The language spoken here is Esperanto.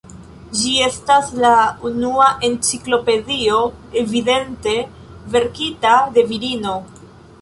Ĝi estas la unua enciklopedio evidente verkita de virino.